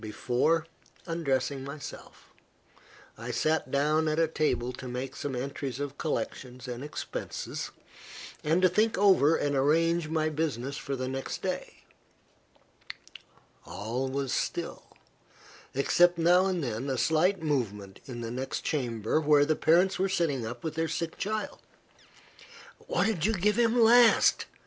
Before undressing myself, I sat down at a table to make some entries of collections and expenses, and to think over and arrange my business for the next day. All was still, except now and then a slight movement in the next chamber, where the parents were sitting up with their sick child. "What did you give him last?"